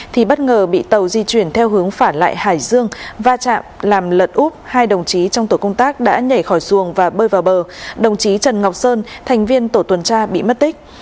thì bất ngờ bị tàu di chuyển theo hướng phản lại hải dương va chạm làm lật úp hai đồng chí trong tổ công tác đã nhảy khỏi xuồng và bơi vào bờ đồng chí trần ngọc sơn thành viên tổ tuần tra bị mất tích